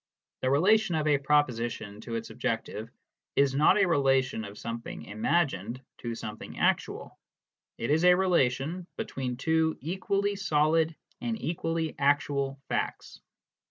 The relation of a proposition to its objec tive is not a relation of something imagined to something actual : it is a relation between two equally solid and equally actual facts.